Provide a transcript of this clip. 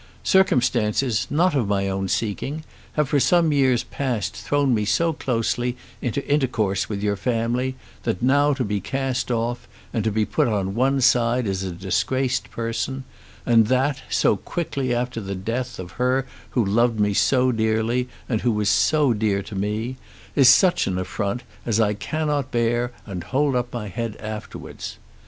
Circumstances, not of my own seeking, have for some years past thrown me so closely into intercourse with your family that now to be cast off, and to be put on one side as a disgraced person, and that so quickly after the death of her who loved me so dearly and who was so dear to me, is such an affront as I cannot bear and hold up my head afterwards.